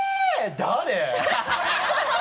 誰？